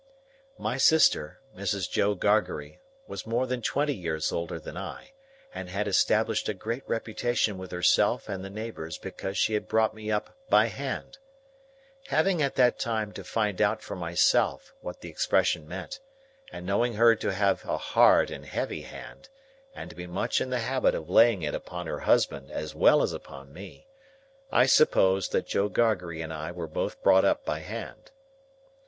My sister, Mrs. Joe Gargery, was more than twenty years older than I, and had established a great reputation with herself and the neighbours because she had brought me up "by hand." Having at that time to find out for myself what the expression meant, and knowing her to have a hard and heavy hand, and to be much in the habit of laying it upon her husband as well as upon me, I supposed that Joe Gargery and I were both brought up by hand.